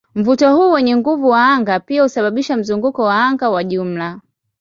Mvuto huu wenye nguvu wa anga pia husababisha mzunguko wa anga wa jumla.